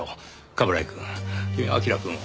冠城くん君は彬くんを。